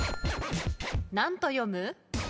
何と読む？